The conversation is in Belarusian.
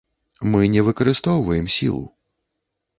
Мы не выкарыстоўваем сілу.